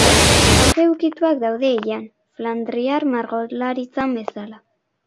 Argi ukituak daude ilean, flandriar margolaritzan bezala.